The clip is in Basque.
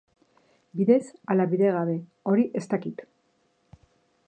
Bidez ala bidegabe, hori ez dakit.